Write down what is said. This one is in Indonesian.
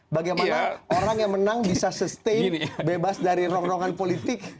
bagaimana orang yang menang bisa sustain bebas dari rong rongan politik